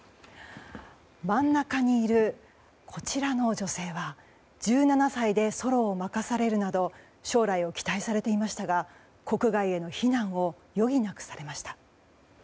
真ん中にいる、こちらの女性は１７歳でソロを任されるなど将来を期待されていましたが国外への避難を余儀なくされました。